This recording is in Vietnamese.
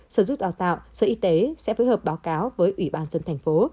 sở dục đào tạo sở y tế sẽ phối hợp báo cáo với ủy ban dân thành phố